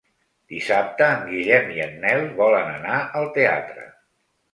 Dissabte en Guillem i en Nel volen anar al teatre.